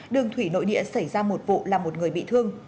đường thủy nội địa xảy ra một vụ làm một người bị thương